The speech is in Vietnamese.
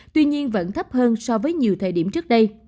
tuy nhiên vẫn thấp hơn so với nhiều thời điểm trước đây